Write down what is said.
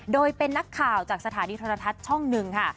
โดยเป็นนักข่าวจากสถานีโทรทัศน์ช่องหนึ่งค่ะ